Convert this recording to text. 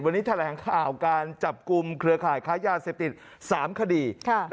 วันนี้แถลงข่าวการจับกลุ่มเครือข่ายค้ายาเสพติด๓คดี